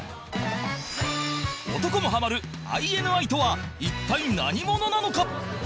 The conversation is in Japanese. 男もハマる ＩＮＩ とは一体何者なのか？